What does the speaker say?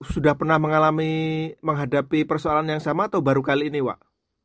sudah pernah mengalami menghadapi persoalan yang sama atau baru kali ini pak